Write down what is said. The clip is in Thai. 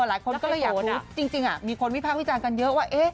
หลายคนก็เลยอยากรู้จริงมีคนวิพากษ์วิจารณ์กันเยอะว่า